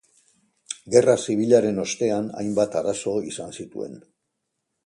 Gerra Zibilaren ostean hainbat arazo izan zituen.